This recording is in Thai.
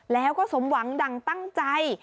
แล้วก็สมหวังดั่งตั้งใจ